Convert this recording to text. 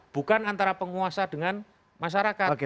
bukan antara penguasa dengan masyarakat